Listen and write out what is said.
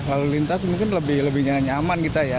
lalu lintas mungkin lebih nyaman kita ya